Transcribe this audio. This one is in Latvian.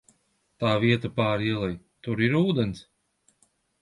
Tā vieta pāri ielai, tur ir ūdens?